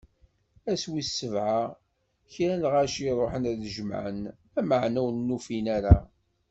Ass wis sebɛa, kra n lɣaci ṛuḥen ad d-jemɛen, lameɛna ur n-ufin ara.